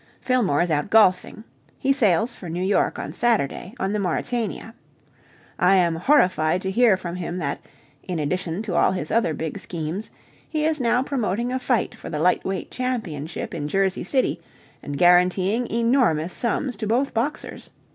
Fillmore is out golfing. He sails for New York on Saturday on the Mauretania. I am horrified to hear from him that, in addition to all his other big schemes, he is now promoting a fight for the light weight championship in Jersey City, and guaranteeing enormous sums to both boxers.